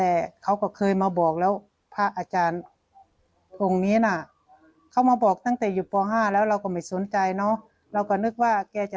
เอาลองฟังย่าหน่อยค่ะ